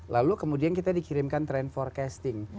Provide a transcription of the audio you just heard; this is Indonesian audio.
lalu kemudian kita dikirimkan trend forecasting